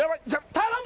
頼む！